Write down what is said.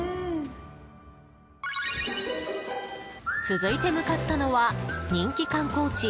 続いて向かったのは人気観光地